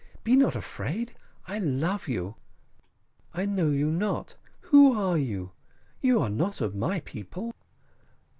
Be not afraid I love you." "I know you not; who are you? you are not of my people."